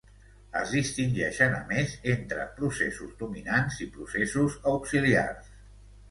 Es distingeixen a més entre processos dominants i processos auxiliars.